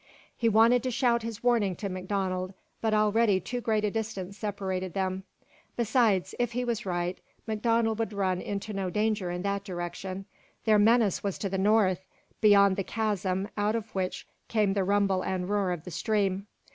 He wanted to shout his warning to MacDonald, but already too great a distance separated them. Besides, if he was right, MacDonald would run into no danger in that direction. Their menace was to the north beyond the chasm out of which came the rumble and roar of the stream.